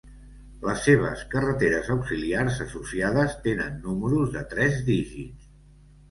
Les seves carreteres auxiliars associades tenen números de tres dígits.